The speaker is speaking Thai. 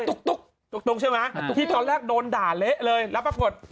ตุ๊กตุ๊กใช่ไหมที่ตอนแรกโดนด่าเละเลยแล้วปรากฏ